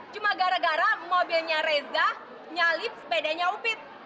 cuma gara gara mobilnya reza nyalip sepedanya upit